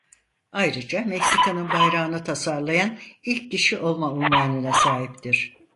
Ayrıca Meksika'nın Bayrağını Tasarlayan ilk kişi olma unvanına sahiptir.